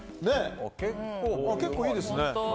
結構いいですね。